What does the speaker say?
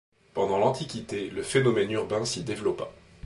Pendant l’antiquité, le phénomène urbain s’y développa.